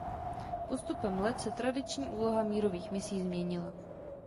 Postupem let se tradiční úloha mírových misí změnila.